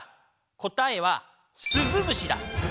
答えは「すずむし」だ。